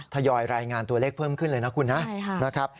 ทยอยรายงานตัวเลขเพิ่มขึ้นเลยนะคุณนะนะครับ